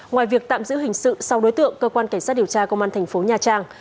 ngoài việc tạm giữ hình sự sau đối tượng cơ quan cảnh sát điều tra công an thành phố nha trang